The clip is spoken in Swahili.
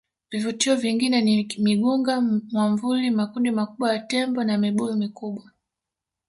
Vivutio vingine ni Migunga mwamvuli Makundi makubwa ya Tembo na Mibuyu mikubwa